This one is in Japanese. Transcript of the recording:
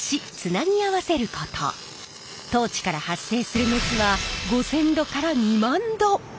トーチから発生する熱は５，０００℃から２万℃！